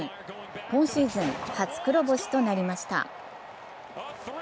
今シーズン初黒星となりました。